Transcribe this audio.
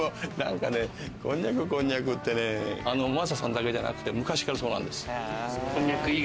こんにゃく、こんにゃくって、真麻さんだけじゃなくて、昔からそうなんです。